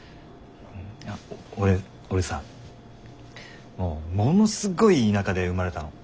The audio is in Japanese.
俺俺さものすっごい田舎で生まれたの。